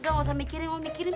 udah ga usah mikirin